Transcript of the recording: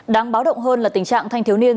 đáng báo động hơn là tình trạng thanh thiếu niên